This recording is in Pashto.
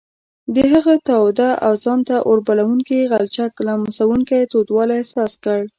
د هغه تاوده او ځان ته اوربلوونکي غلچک لمسوونکی تودوالی احساس کړ.